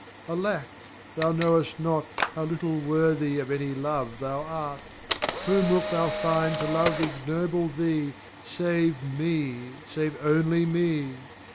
Alack, thou knowest not How little worthy of any love thou art! Whom wilt thou find to love ignoble thee, Save Me, save only Me?